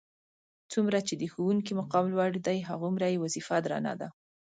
څومره چې د ښوونکي مقام لوړ دی هغومره یې وظیفه درنه ده.